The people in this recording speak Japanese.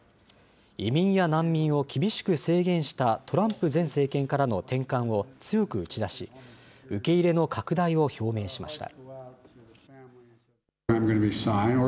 移民や難民を厳しく制限したトランプ前政権からの転換を強く打ち出し、受け入れの拡大を表明しました。